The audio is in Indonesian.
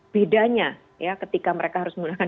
bedanya ya ketika mereka harus menggunakan